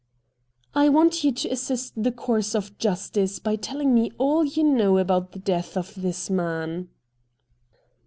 'I want you to assist the course of justice by telling me all you know about the death of this man.'